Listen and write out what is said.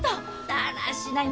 だらしない！